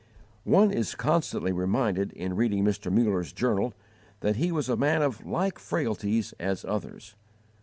One is constantly reminded in reading Mr. Muller's journal that he was a man of like frailties as others.